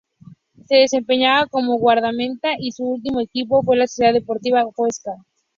Se desempeñaba como guardameta y su último equipo fue la Sociedad Deportiva Huesca.